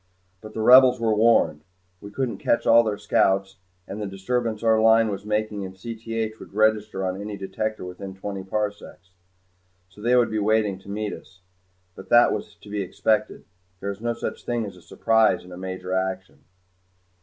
But the Rebels were warned. We couldn't catch all their scouts and the disturbance our Line was making in Cth would register on any detector within twenty parsecs. So they would be waiting to meet us. But that was to be expected. There is no such thing as surprise in a major action.